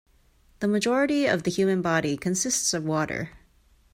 The majority of the human body consists of water.